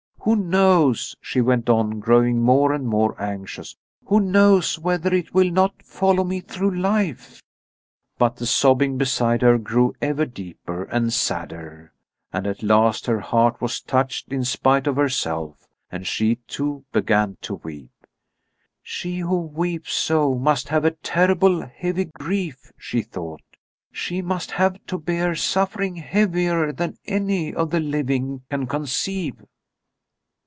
"Who knows," she went on, growing more and more anxious, "who knows whether it will not follow me through life?" But the sobbing beside her grew ever deeper and sadder, and at last her heart was touched in spite of herself, and she too began to weep. "She who weeps so must have a terribly heavy grief," she thought. "She must have to bear suffering heavier than any of the living can conceive."